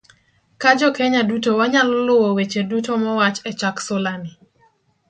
Ka Jo Kenya duto wanyalo luwo weche duto mowach e chak sulani